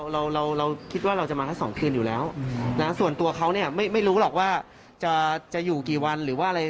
เราเราคิดว่าเราจะมาแค่๒คืนอยู่แล้วนะส่วนตัวเขาเนี่ยไม่รู้หรอกว่าจะอยู่กี่วันหรือว่าอะไร